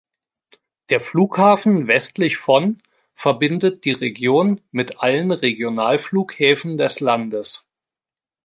Der Flughafen westlich von verbindet die Region mit allen Regionalflughäfen des Landes.